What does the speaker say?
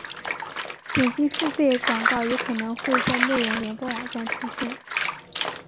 点击付费广告也可能会在内容联播网站出现。